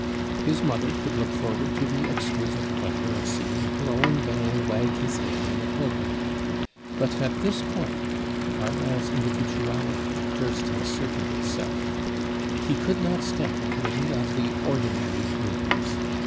His mother could look forward to the exquisite pleasure of seeing "her own bairn wag his head in a pulpit!" But at this point Carlyle's individuality first asserted itself. He could not step into any of the ordinary grooves.